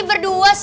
lah lah lah lah lah